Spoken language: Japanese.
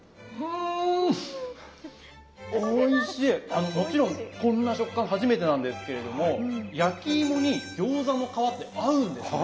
あのもちろんこんな食感初めてなんですけれども焼きいもに餃子の皮って合うんですね。